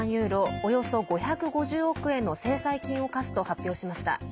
およそ５５０億円の制裁金を科すと発表しました。